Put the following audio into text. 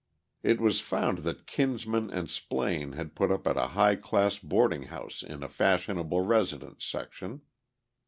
It was found that Kinsman and Splaine had put up at a high class boarding house in a fashionable residence section.